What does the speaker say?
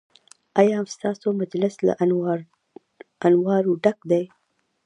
ایا ستاسو مجلس له انوارو ډک دی؟